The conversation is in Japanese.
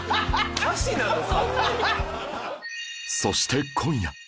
そして今夜